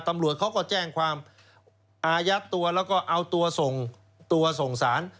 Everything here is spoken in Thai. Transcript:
ตำรวจเขาก็แจ้งความอายัดตัวแล้วก็เอาตัวส่งตัวส่งสาร